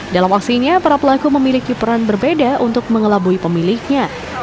dalam aksinya para pelaku memiliki peran berbeda untuk mengelabui pemiliknya